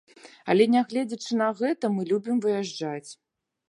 Але, нягледзячы на гэта, мы любім выязджаць.